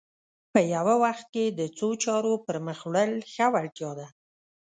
په یوه وخت کې د څو چارو پر مخ وړل ښه وړتیا ده